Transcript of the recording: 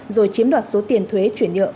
rồi chiếm đoạt số tiền thuế chuyển nhượng